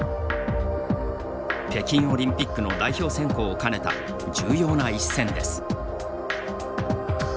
北京オリンピックの代表選考を兼ねた重要な一戦です。